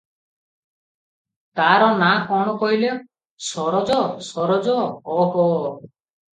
"ତାରନାଁ କଣ କହିଲ- ସରୋଜ- ସରୋଜ ।' ଓହୋ!